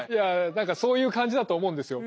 何かそういう感じだと思うんですよ。